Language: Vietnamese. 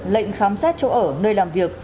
lệnh khám xét chỗ ở nơi làm việc